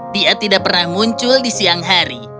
dia tidak pernah muncul di siang hari